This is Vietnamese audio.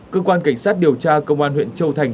cơ quan cảnh sát điều tra công an huyện châu thành